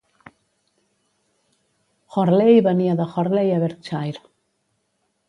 Hurley venia de Hurley a Berkshire.